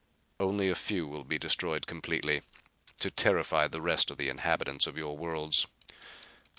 "Only a few will be destroyed completely, to terrify the rest of the inhabitants of your worlds.